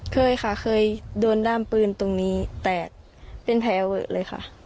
เคยค่ะเคยโดนด้ามปืนตรงนี้แต่เป็นแผลเวอะเลยค่ะ